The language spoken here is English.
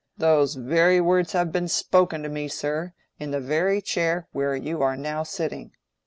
Those very words have been spoken to me, sir, in the very chair where you are now sitting.